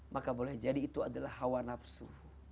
maka boleh jadi itu adalah hawa nafsu